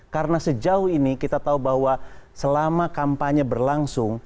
karena sejauh ini kita tahu bahwa selama kampanye berlangsung